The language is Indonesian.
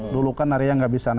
dulu kan area nggak bisa bergerak